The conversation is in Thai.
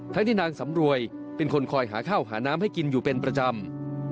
ที่นางสำรวยเป็นคนคอยหาข้าวหาน้ำให้กินอยู่เป็นประจำ